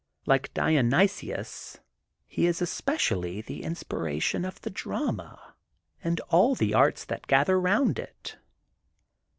Like Dionysius he is especially the inspiration of the drama and all the arts that gather round it.